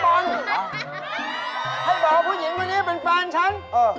ก็บอกที่ผู้หญิงวันนี้เป็นแฟนฉัน